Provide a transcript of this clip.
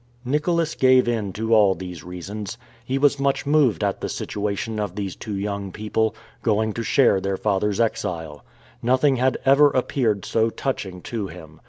Nicholas gave in to all these reasons. He was much moved at the situation of these two young people, going to share their father's exile. Nothing had ever appeared so touching to him.